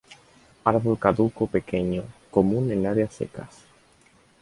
Árbol caduco pequeño, común en áreas secas.